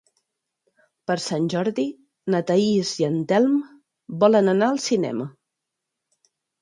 Per Sant Jordi na Thaís i en Telm volen anar al cinema.